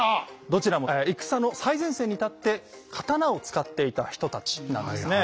どちらも戦の最前線に立って刀を使っていた人たちなんですね。